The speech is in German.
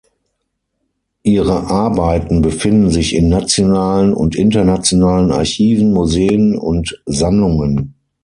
Ihre Arbeiten befinden sich in nationalen und internationalen Archiven, Museen und Sammlungen.